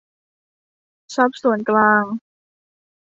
ทรัพย์ส่วนกลาง